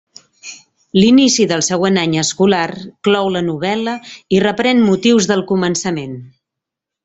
L'inici del següent any escolar clou la novel·la i reprèn motius del començament.